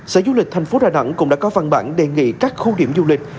sở du lịch thành phố đà nẵng cũng đã có văn bản đề nghị các khu điểm du lịch